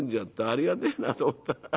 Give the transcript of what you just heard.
ありがてえなと思った。